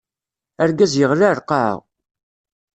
Argaz yeɣli ar lqaɛa.